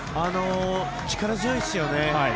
力強いですよね。